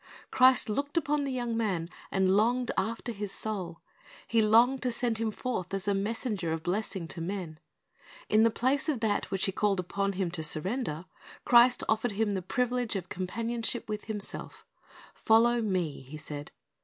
Christ looked upon the young man, and longed after his soul. He longed to send him forth as a messenger of blessing to men. In the place of that which He called upon him to surrender, Christ offered him the privilege of companionship with Himself "Follow Me," He said.